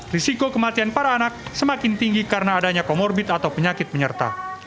risiko kematian para anak semakin tinggi karena adanya comorbid atau penyakit penyerta